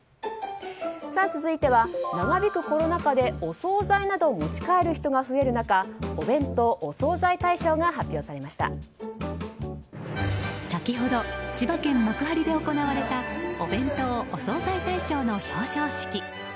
続いては長引くコロナ禍でお総菜などを持ち帰る人が増える中お弁当・お惣菜大賞が先ほど、千葉県幕張で行われたお弁当・お惣菜大賞の表彰式。